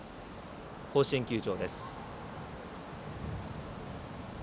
甲子園球場です。